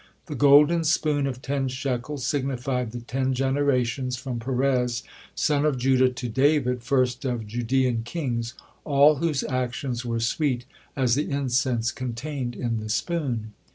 The golden spoon of ten shekels signified the ten generations from Perez, son of Judah, to David, first of Judean kings, all whose actions were sweet as the incense contained in the spoon.